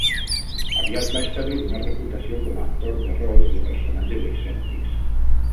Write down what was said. Aviat va establir una reputació com a actor de rols de personatges excèntrics.